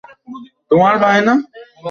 এ সম্পর্কে আল্লাহই সমধিক অবহিত।